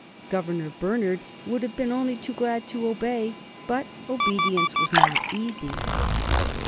Governor Bernard would have been only too glad to obey, but obedience was not easy.